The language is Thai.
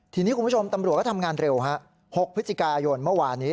ทีนี้คุณผู้ชมตำรวจก็ทำงานเร็วฮะ๖พฤศจิกายนเมื่อวานนี้